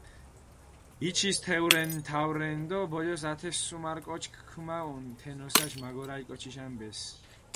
იჩის თეურენი, თაურენი დო ბოლოს ათე სუმარ კოჩქ ქუმაჸუნ თე ნოსაში მაგორალი კოჩიში ანბეს.